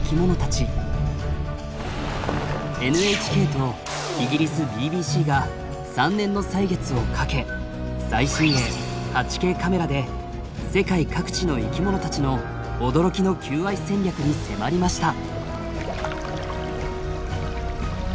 ＮＨＫとイギリスＢＢＣが３年の歳月をかけ最新鋭８Ｋカメラで世界各地の生きものたちの驚きの求愛戦略に迫りました。